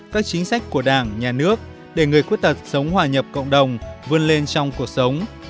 các chính sách của đảng nhà nước để người khuyết tật sống hòa nhập cộng đồng vươn lên trong cuộc sống